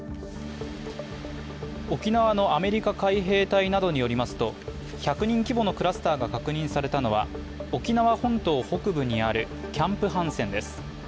沖縄のアメリカ海兵隊などによりますと、１００人規模のクラスターが確認されたのは沖縄本島北部にあるキャンプ・ハンセンです。